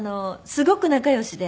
すごく仲良しで。